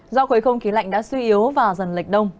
do khối không khí lạnh đã suy yếu và dần lệch đông